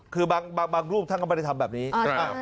คือบางบางบางรูปท่านก็ไม่ได้ทำแบบนี้อ่าใช่